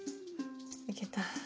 いけた。